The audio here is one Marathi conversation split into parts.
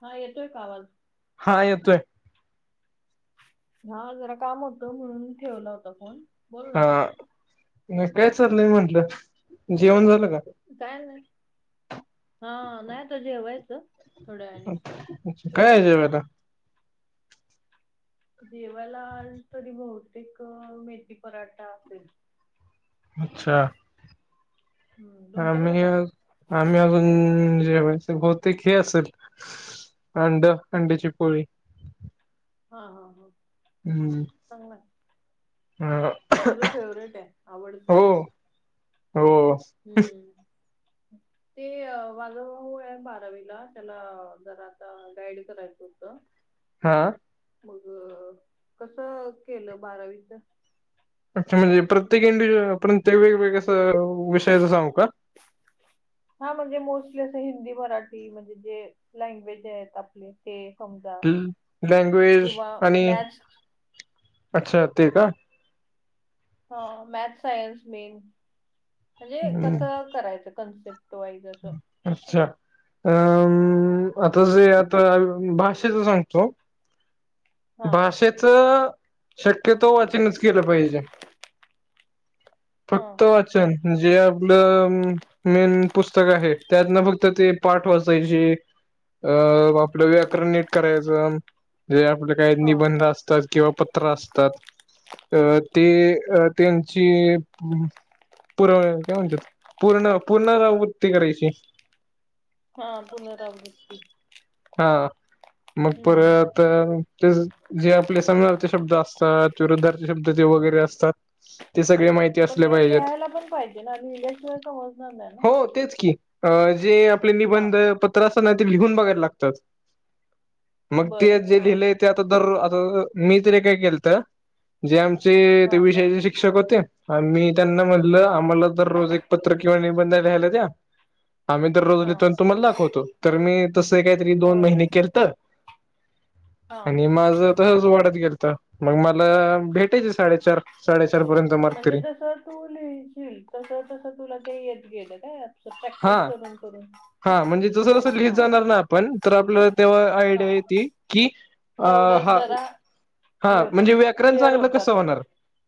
हा येतोय का आवाज? हा येतोय. हा जरा काम होतं म्हणून ठेवला होता फोन. बोल ना हा. नाही काय चाललंय म्हंटलं, जेवण झालं का? काय नाही. हा, नाही आता जेवायचं. थोड्या वेळाने. काय आहे तुझं? जेवायला जेवायला तरी बहुतेक मेथी पराठा असेल. अच्छा. हम्म, तुमच्याकडे आम्ही काय आम्ही अजून जेवायचं बहुतेक हे असलं अंड अंड्याची पोळी. हा हा हा. हम्म चांगला आहे. हा. तुझं फेवरेट आहे आवडत. हो. हम्म. [inaudible] ते माझा मुलगा आहे बारावीला, त्याला जरा आता गाईड करायचं होतं. हा. मग कस केलं बारावीचं? अच्छा म्हणजे प्रत्येक इंडिव्हज्युअल प्रत्येक वेगवेगळ्यां असं विषयाच सांगू का? हा म्हणजे मोस्टली असं हिंदी, मराठी म्हणजे जे लँग्वेज आहेत आपले. ते समजा लँग्वेज किंवा आणि मॅच अच्छा ते का? हा मॅथ्स, सायन्स मेन म्हणजे हम्म, कसं करायचं कन्सेप्ट? तयारी कसं अच्छा अ आता जे आता भाषेच सांगतो. हा भाषेच शक्यतो वाचनच केलं पाहिजे. फक्त वाचन जे आपलं मेन पुस्तक आहे त्यातनं फक्त ते पाठ वाचायची. अ आपलं व्याकरण नीट करायचं. जे आपलं काय हा निबंध असतात किंवा पत्र असतात अ ते अ त्यांची पूर काय म्हणत्यात पूर्ण पुर्णरावृत्ती करायची. हा पुनरावृत्ती. हा मग हम्म हम्म. परत ते जे आपले समानार्थी शब्द असतात विरुद्धार्थी शब्द जे वगैरे असता ते सगळे माहिती पण असले ते पाहिजेत लिहायला पण पाहिजे ना लिहिल्याशिवाय समजणार नाही ना हो तेच की. अ जे आपले हा निबंध पत्र असतात ना ते लिहून बघायला लागतात. मग बर ते जे हा लिहिलंय ते आता दर आता मी तरी काय केलंत जे आमचे हा ते विषयाचे शिक्षक होते. मी त्यांना म्हणलं आम्हाला तर रोज एक पत्र किंवा निबंध लिहायला द्या. आम्ही दररोज हा लिहितो आणि तुम्हाला दाखवतो तर मी तसही कायतरी दोन होय महिने केलंत. हा आणि माझं तसच वाढत गेलत मग मला भेटायच साडेचार साडेचारपर्यंत. म्हणजे जसं तू लिहिशिल तसं तसं तुला ते येत गेलं काय आ हा प्रॅक्टिस करून करून. हा म्हणजे जसं जसं लिहित हा जाणार ना आपण तर आपल्याला तेव्हा आयडिया हा येती की अ तेवढंच हा जरा हा हे होते म्हणजे व्याकरण क्लिअर चांगलं होत कसं जाते होणार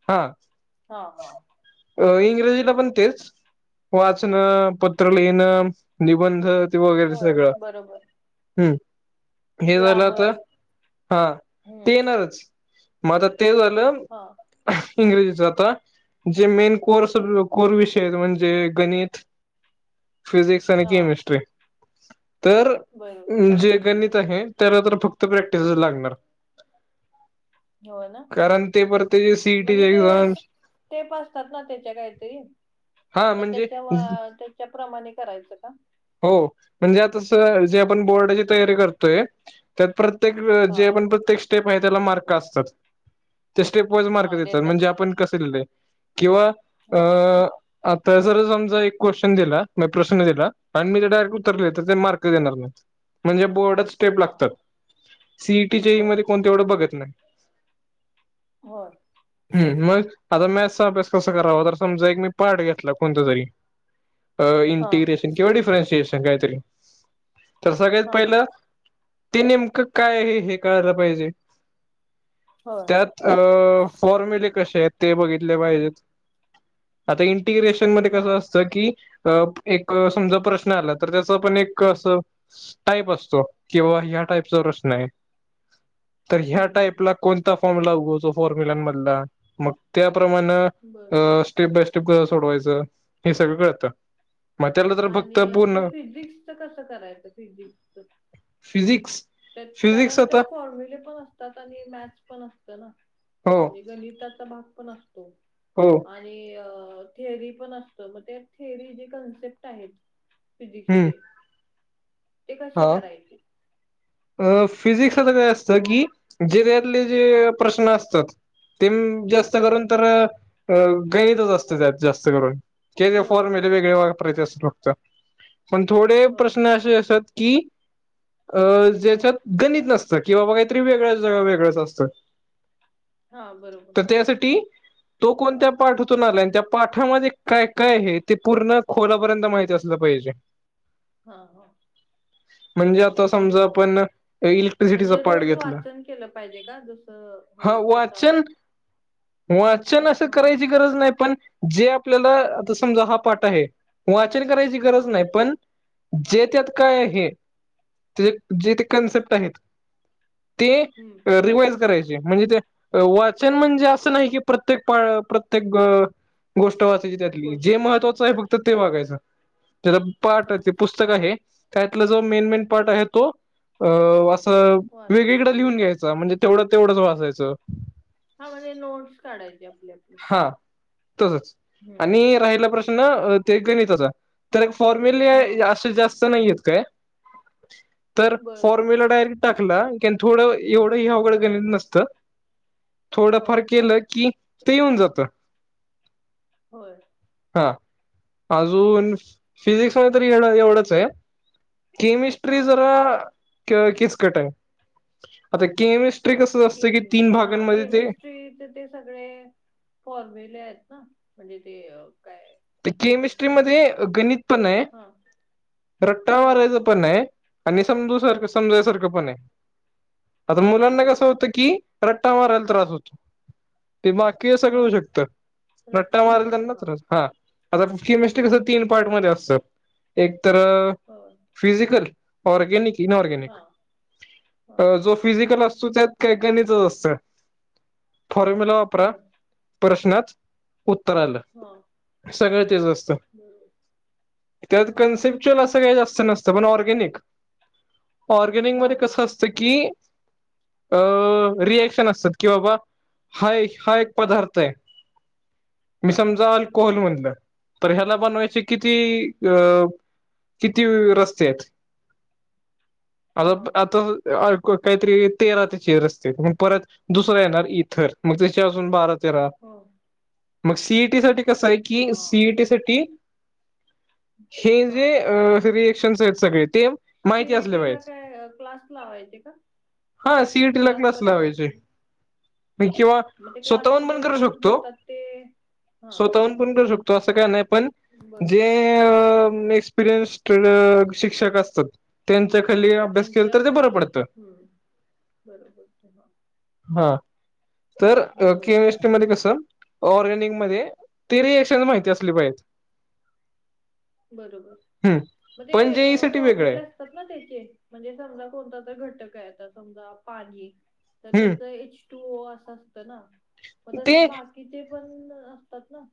हा. हा हा. अ इंग्रजीला पण तेच वाचन प पत्र लिहीन निबंध वगैरे ते होय सगळं बरोबर हं. हे झालं ग्रामर आता हा हम्म ते येणारच मग आता ते झालं. हा. इंग्रजीच आता जे मेन कोर स कोर विषय आहेत म्हणजे गणित फिजिक्स आणि हा केमिस्ट्री तर बरोबर. जे गणित आहे त्याला तर फक्त प्रॅक्टिसच लागणार. हो ना कारण त परत त्याजी सीईटीची म्हणजे ते एक्झाम. स्टेप असतात ना त्याच्या काहीतरी हा मग म्हणजे त्याच्या वा त्याच्या प्रमाणे करायचं का. हो म्हणजे आता स जे आपण बोर्डाची तयारी करतोय. त्यात प्रत्येक अ हा जे आपण प्रत्येक स्टेप आहे त्याला मार्क असतात. त्या स्टेप वाईज मार्क हा देतात ते. म्हणजे आपण कसं लिहिलंय किंवा हा अ आता जर समजा एक क्वेश्चन दिला नाई प्रश्न दिला आणि मी त्याचा डायरेक्ट उत्तर लिहिलं तर ते हा मार्क देणार नाही म्हणजे बोर्डात स्टेप हा हा. लागतात सीईटीच्या आ होय मध्ये कोण तेवढं बघत नाही. होय. हं मग आता मॅथचा अभ्यास कसा करावा तर समजा एक मी पार्ट घेतला कोणता तरी. [inaudible] अ हा इंटिग्रेशन किंवा डिफरेन्शिएशन काहीतरी तर सगळ्यात हा पहिलं ते नेमकं काय आहे हे कळायला पाहिजे. होय त्यात अ फॉर्म्युले कसे आहेत. ते बघितले पाहिजेत आता इंटिग्रेशन मध्ये हा कसं असतं की अ एक समजा प्रश्न आला तर त्याच पण एक असं टाईप असतो कि बाबा या टाईपचा प्रश्नयं. तर ह्या हम्म टाईपला कोणता फॉर्म्युला उगवतो फॉर्म्युलांमधला मग त्याप्रमाणे बर अ स्टेप बाय स्टेप कस सोडवायचं हे सगळं कळतं. मग त्याला तर फक्त आणि आपलं पूर्ण फिजिक्सच कसं करायचं फिजिक्सच. फिजिक्स. त्यात फिजिक्स कारण त्यात आता फॉर्म्युले पण असतात, आणि मॅथस पण असत ना हो म्हणजे गणितात. [unintelligible] पण असतोय. हो. आणि थिअरी पण असतं, मग त्या थेअरी जे कन्सेप्ट आहेत. हम्म फिजिक्सचे. ते कसे हा करायचे. अ फिजिक्सला कसं असतं की, जे त्यांतले जे प्रश्न असतात. तेन जास्तं करून तर, हां गणितच असतं जास्त करून. त्यांचे फॉर्म्युले होय होय वेगळे वापरायचे असतात. [unintelligible] पण थोडे होय प्रश्न असे असतात की, अं ज्याच्यात गणित नसतं, किंवा बाबा काहीतरी वेगळ वेगळंच असतं. [inaudible] हा बरोबर. तर त्यासाठी. तो कोणत्या पाठातून आला, आणि त्या पाठामध्ये काय काय आहे. ते पूर्ण खोलापर्यंत माहिती असत असलं पाहिजे. हा हा. म्हणजे आप समजा आपण, इलेक्ट्रिसिटीचा म्हणजे पार्ट रोज घेतला वाचन केलं पाहिजे का जसं हा होईल तसा वाचन. [inaudible] वाचन असं हां करायची गरज नाही पण, जे आपल्याला आता समजा हा पाठ आहे. वाचन करायची गरज हां नाही पण, जे त्यात काय हे ते जे ते कन्सेप्ट आहेत ते. हम्म. रिवाइज करायची. म्हणजे ते, अ वाचन म्हणजे, असं नाही की प्रत्येक ब प्रत्येक. गोष्ट वाचायची त्यातली जे, गोष्ट महत्वाचं आहे फक्त वाचायची ते बगायचं. त्या पाठ हां पुस्त पुस्तकं आहे त्यातला जो मेन मेन पार्ट आहे. तो अ... असं. वेगळी वाचायची कडे लिहून घ्यायचा, म्हणजे तेवढं तेवढंच वाचायचं. हा म्हणजे, नोट्स काढायचे आपली आपली. हा तसंच आणि राहिला हां प्रश्न ते गणिताचा. तर फॉर्म्युली हां असे जास्त नाही येत काय, तर बर फॉर्म्युला डायरेक्ट. टाकला की थोडं एवढं हे, अवघडं गणित नसतं. हो थोडंफार केलं की, ते येऊन जातं. होय. हा अजून फिजिक्स मध्ये, तरी एवढंच आय. केमिस्ट्री हां जरा, बरोबर कीचकट आय आता केमिस्ट्री. ट्रिक कसं असतं की, तीन भागांमध्ये ते. ते ते सगळे फॉर्मुले आहेत ना, म्हणजे ते काय. तर म्हणतात केमिस्ट्री त्याला मध्ये, गणित पण आहे हा रट्टा होय मारायच. पण ये, आणि समजू सारखं समजायसारखं पण ये. आता हा मुलांना कसं बरोबर होतं की, रट्टा मारायला त्रास होतो. ते बा की हे सगळं अ होऊ शकतं, रट्टा मारायला त्यांनाच त्रास हा. आता केमिस्ट कसं, तीन पार्ट मध्ये असत एक तर. हां.. फिजिकल ऑर्गेनिक इनऑर्गॅनिक हा हा हा जो फिजिकल असतो त्यात कायकनीचच असतं फॉर्म्युला वापरा होय प्रश्नात उत्तर आलं. हा. सगळं हा तेच असतं बरोबर त्यात होय कन्सेप्ट चल असं काही जास्त नसतं पण ऑर्गॅनिक ऑर्गॅनिक हा मध्ये हा कसं हा असतं की अ रिएक्शन असतात कि बाबा हा एक हा एक पदार्थ आहे. मी हा समजा अल्कोहल म्हणलं तर ह्याला बनवायचे किती अ किती रस्ते आहेत आता हा प आता आरको काहीतरी तेरा ते चेर असते मग परत दुसरा येणार इथर मग त्याचे अजून बारा चेरावा हो मग सी ई टी साठी कसं आहे की हा सी ई टी साठी हे जे हा अ रिएक्शन्स आहेत सगळे ते सी माहिती ए असले टी ला पाहिजे. काय क्लास लावायचे का? हा सी ई टी ला क्लास लावायचे म किंवा म ते स्वतःहून पण क्लासमध्ये करू रोज शकतो घेतात ते हा स्वतःहून पण करू शकतो असं काय नाही पण बरं जे अम एक्सपिरीयन्स ट्रेनर शिक्षक असतात त्यांचा हा खालीला अभ्यास केला तर ते त्यांच्यापास बरं पडतं. हम्म बरोबर हा हा तर बर केमिस्ट्री मध्ये कसं ऑर्गॅनिक मध्ये तरी रिएक्शन माहिती असली पाहिजे. बरोबर हम् म ते पण अ जे ई साठी वेगळं फॉर्म्युलास आहे तात ना त्याचे म्हणजे समजा कोणता तर घटक आहे आता समजा पाणी तर त्याचा हम् एच टू ओ असं असतं ना म तसंच ते बाकी तिथे पण असतात ना.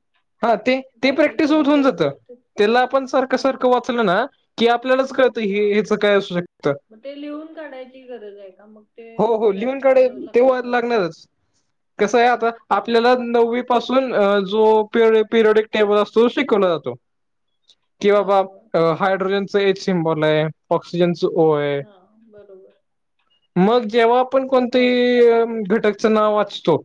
हा ते ते काय काय प्रॅक्टिस होत होऊन केमिकल्स जातं त्याला आपण सारखं हा सारखं वाचलं ना कि आपल्यालाच कळतं हा हे ह्याचा काय असू शकतं. मग ते लिहून काढायची गरज आहे का मग ते हो हो लिहून जास्त काडे तेव्हा लक्षात राहत लागणारच कसं आहे आता हा आपल्याला नव्व्वी पासून जो पिरियो पिरयडिक टेबल असतो तो शिकवला जातो. कि बाबा होय होय अ हायड्रोजनच एच सिमबॉल आहे ऑक्सीजन चा ओ आहे. हा बरोबर मग जेव्हा आपण होय कोणतही घटकचं नाव वाचतो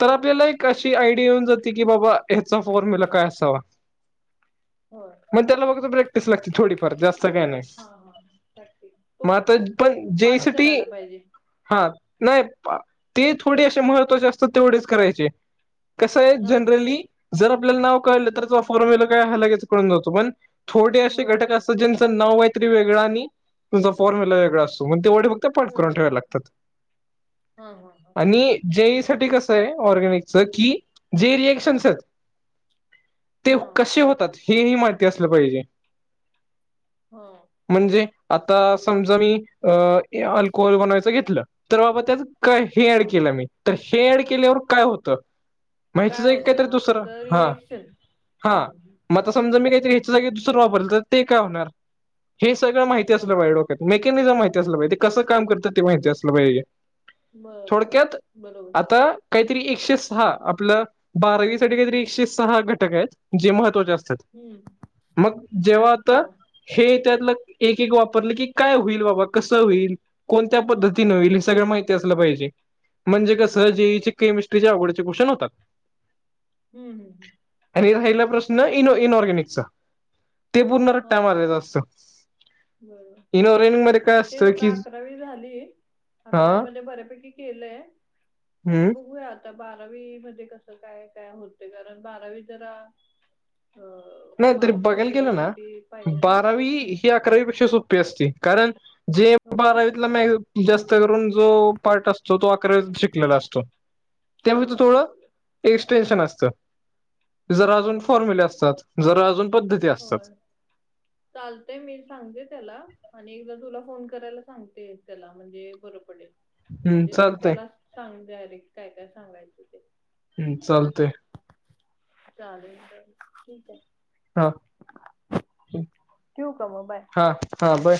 तर हा आपल्याला एक अशी आयडिया येऊन जाते की बाबा याचा फॉर मुला काय असावा. होय मग त्याला बघतो प्रॅक्टिस लागते थोडीफार जास्त काही नाही. हा हा प्रॅक्टिस तो मग आता पण जे इ पाठ साठी करायला पाहिजे हा. नाही पा ते थोडी अशे महत्त्वाचे असतात तेवढेच करायचे कसं आहे हा हा जनरली जर आपल्याला नाव कळलं तर त्या फॉरमेला काय हा लगेच कळून जातो पण थोडे अशे घटक हा असतात तेच ज्यांचं नाव काय तरी वेगळा आणि तुझा फॉर्म्युला वेगळा असतो मंग तेवढे ते पाठ करून वेगळं ठेवायला लागतात. हा हा हा. आणि जे इ साठी बर कसं आहे ऑर्गॅनिकच की जे रिएक्शन्स आहेत ते हा कशे होतात हे ही माहिती असलं पाहिजे. हो. म्हणजे आता समजा मी अ अल्कोहोल बनवायचं घेतलं तर बाबा त्याज हे हा ऍड केलं मी तर हे ऍड केल्यावर काय होतं माहितीच का काय आहे होतं काहीतरी हा दुसरं त्याच हा रिएक्शन हा. हम्म मग आता समजा मी काहीतरी [unintelligible] वापरलं तर दुसरं तर ते काय होणार हे सगळं माहिती हा असलं पाहिजे डोक्यात मेकॅनिझम माहिती असलं पाहिज ते कस काम करतात माहिती असलं पाहिजे. बर बर थोडक्यात बरोबर आता काहीतरी एकशे सहा आपलं बारावी साठी काहीतरी एकशे सहा घटक आहेत जे महत्त्वाचे असतात. हम्म मग जेवा हा आता हे त्यातलं एक एक वापरलं की काय होईल बाबा कसं होईल? कोणत्या हा पद्धतीने होईल हे सगळ बरोबर माहिती असत. असल पाहिजे जे म्हणजे कसं होय जेई होय चे केमिस्ट्रीच्या अवघडचे क्श्न होतात. हम् हम् हम. आणि राहिला प्रश्न इन- इनऑर्गॅनिकचा ते पूर्ण हा रट्टा मारलेला असतो. बरोबर इन ऑरगॅनिक मध्ये काय तेच असतं आता की अकरावी झाली हा अकरावी मध्ये बऱ्यापैकी केलंय. आता हम्म बघूयात आता बारावी मध्ये कसं काय काय होते कारण बारावी जरा अ नाही तरी मार्क्स बघायला वगैरे गेलं ना साठी पाहिजे ना बारावी हम्म ही अ अकरावी पेक्षा सोपी असते जे हो का बारावीत [unintelligible] जास्त करून जो पार्ट असतो तो अकरावीत शिकलेला असतो. हा त्यामुळे ते थोडं बरोबर एक्सटेन्शन असतं. हा जरा हा अजून हा. फॉर्म्यूले असतात जर अजून पद्धती असतात होय चालतेय मी सांगते त्याला आणि एकदा तुला फोन करायला सांगते त्याला म्हणजे बरं पडेल. हम्म म्हणजे तू चालतय त्याला सांग डायरेक्ट काय काय सांगायचं ते. हम्म चालतय. चालेल चल ठीक आहे. हा ठेवू का मग बाय. हा हा. बर.